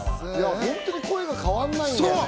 本当に声が変わんないんだよね。